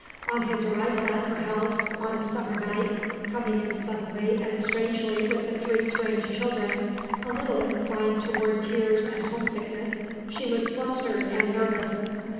On his arrival at her house, on a summer night, coming in suddenly and strangely with the three strange children a little inclined toward tears and homesickness she was flustered and nervous.